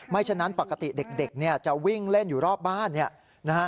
ไม่ฉะนั้นปกติเด็กจะวิ่งเล่นอยู่รอบบ้าน